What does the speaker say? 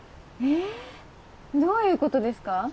えぇどういうことですか？